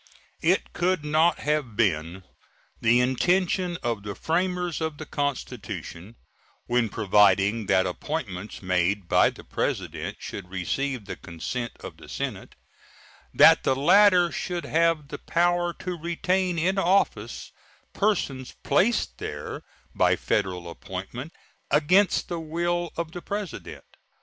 It could not have been the intention of the framers of the Constitution, when providing that appointments made by the President should receive the consent of the Senate, that the latter should have the power to retain in office persons placed there by Federal appointment against the will of the President.